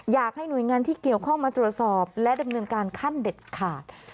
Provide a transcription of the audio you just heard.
อยากให้หน่วยงานที่เกี่ยวข้องมาตรวจสอบและดำเนินการขั้นเด็ดขาด